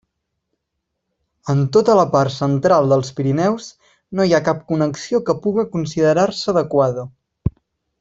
En tota la part central dels Pirineus no hi ha cap connexió que puga considerar-se adequada.